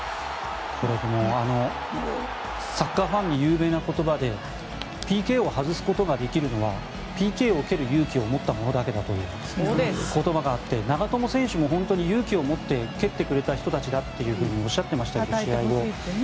サッカーファンに有名な言葉でＰＫを外すことができるのはＰＫを蹴る勇気を持った者だけだという言葉があって長友選手も、本当に勇気をもって蹴ってくれた人たちだとおっしゃっていました、試合後。